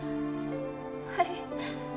はい。